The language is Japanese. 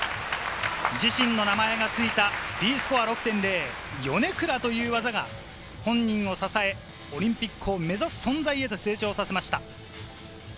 自身の名前がついたＤスコア６．０、ヨネクラという技が本人を支え、オリンピックを目指す存在へと成長させました。